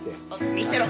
見せろ！